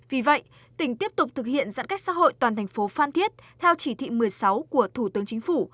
vì vậy tỉnh tiếp tục thực hiện giãn cách xã hội toàn thành phố phan thiết theo chỉ thị một mươi sáu của thủ tướng chính phủ